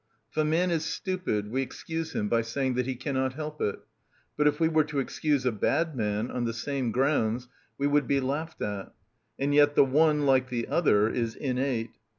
If a man is stupid, we excuse him by saying that he cannot help it; but if we were to excuse a bad man on the same grounds we would be laughed at. And yet the one, like the other, is innate.